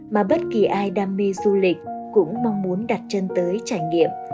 mà bất kỳ ai đam mê du lịch cũng mong muốn đặt chân tới trải nghiệm